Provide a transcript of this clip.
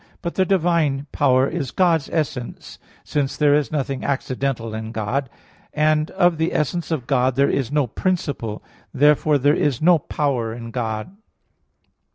But the divine power is God's essence, since there is nothing accidental in God: and of the essence of God there is no principle. Therefore there is no power in God.